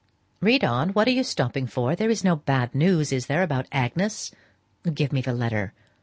"Read on. What are you stopping for? There is no bad news, is there, about Agnes? Give me the letter."